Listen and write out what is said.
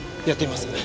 やってみます。